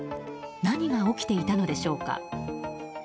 何が起きていたのでしょうか。